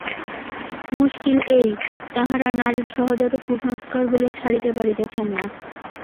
মুশকিল এই, তাঁহারা নারীর সহজাত কুসংস্কারগুলি ছাড়িতে পারিতেছেন না।